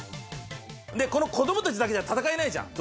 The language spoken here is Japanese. この子どもたちだけじゃ戦えないじゃん